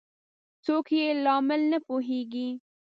څوک یې په لامل نه پوهیږي